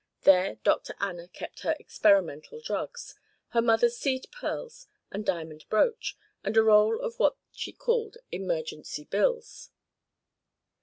There Dr. Anna kept her experimental drugs, her mother's seed pearls and diamond brooch, and a roll of what she called emergency bills.